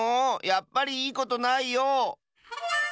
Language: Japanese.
やっぱりいいことないよ！